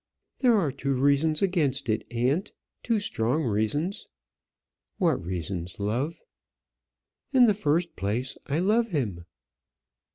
"There are two reasons against it, aunt; two strong reasons." "What reasons, love?" "In the first place, I love him."